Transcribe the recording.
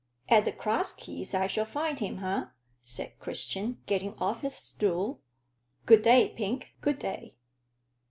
"At the Cross Keys I shall find him, eh?" said Christian, getting off his stool. "Good day, Pink good day."